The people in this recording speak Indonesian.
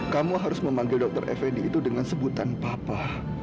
kamu harus memanggil dokter fnd itu dengan sebutan papa